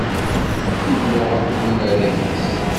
Yennuɣ akked unarag-is.